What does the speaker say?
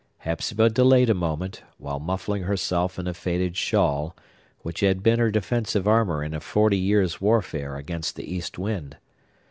Hepzibah delayed a moment, while muffling herself in a faded shawl, which had been her defensive armor in a forty years' warfare against the east wind.